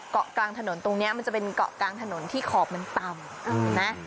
เกาะกลางถนนตรงนี้มันจะเป็นเกาะกลางถนนที่ขอบมันต่ำนะ